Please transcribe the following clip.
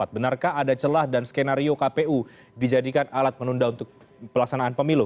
benarkah ada celah dan skenario kpu dijadikan alat menunda untuk pelaksanaan pemilu